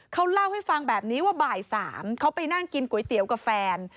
เขาเล่าให้ฟังแบบนี้ว่าบ่าย๓เขาไปนั่งกินก๋วยเตี๋ยวกับแฟน